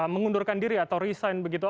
mengundurkan diri atau resign begitu